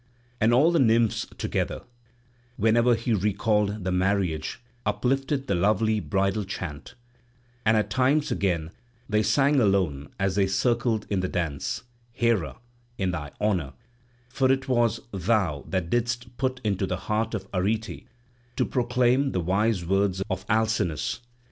And all the nymphs together, whenever he recalled the marriage, uplifted the lovely bridal chant; and at times again they sang alone as they circled in the dance, Hera, in thy honour; for it was thou that didst put it into the heart of Arete to proclaim the wise word of Alcinous.